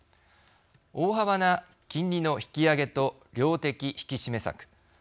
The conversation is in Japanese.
大幅な金利の引き上げと量的引き締め策。